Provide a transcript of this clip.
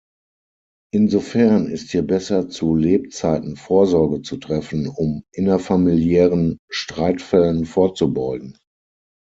Insofern ist hier besser zu Lebzeiten Vorsorge zu treffen, um innerfamiliären Streitfällen vorzubeugen.